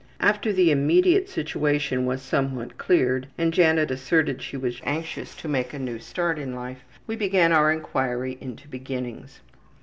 After the immediate situation was somewhat cleared and Janet asserted she was anxious to make a new start in life, we began our inquiry into beginnings.